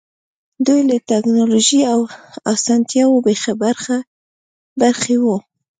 دوی له ټکنالوژۍ او اسانتیاوو بې برخې وو.